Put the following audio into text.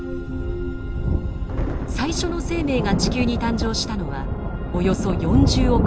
最初の生命が地球に誕生したのはおよそ４０億年前。